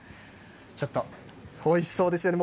ちょっとおいしそうですよね。